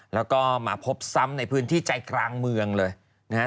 แล้วก็มาพบซ้ำในพื้นที่ใจกลางเมืองเลยนะฮะ